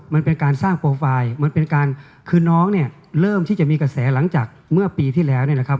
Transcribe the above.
มันเป็นการสร้างโปรไฟล์มันเป็นการคือน้องเนี่ยเริ่มที่จะมีกระแสหลังจากเมื่อปีที่แล้วเนี่ยนะครับ